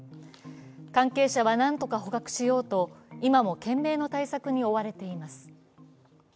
関係者はなんとか捕獲しようと今も懸命の対策に追われています。